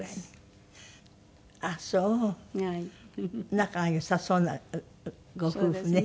仲が良さそうなご夫婦ね。